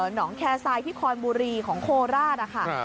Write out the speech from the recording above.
หนองแคร์ไซด์พี่คอนบูรีของโคล่านะค่ะ